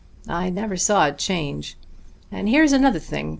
I never saw such a change. And here's another thing.